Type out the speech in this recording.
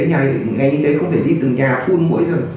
ngành y tế có thể đi từng nhà phun mũi rồi